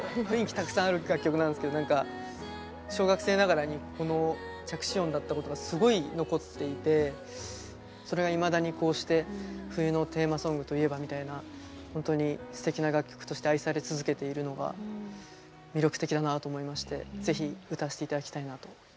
たくさんある楽曲なんですけどなんか小学生ながらにこの着信音鳴ったことがすごい残っていてそれがいまだにこうして冬のテーマソングといえばみたいなほんとにすてきな楽曲として愛され続けているのが魅力的だなと思いまして是非歌わせて頂きたいなと。